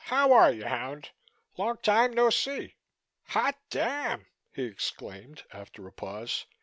How are you, hound? Long time no see." "Hot damn!" he exclaimed, after a pause.